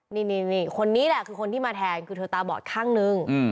นี่คนนี้แหละคือคนที่มาแทงคือเธอตาบอดข้างนึง